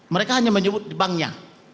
mereka hanya menyebut banknya